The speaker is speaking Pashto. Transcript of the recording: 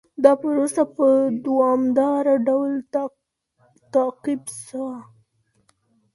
دا پروسه په دوامداره ډول تعقيب سوه.